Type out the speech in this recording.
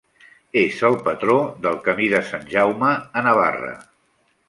És el patró del Camí de Sant Jaume a Navarra.